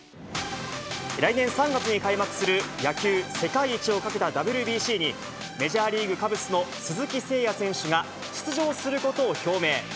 来年３月に開幕する、野球世界一をかけたＷＢＣに、メジャーリーグ・カブスの鈴木誠也選手が出場することを表明。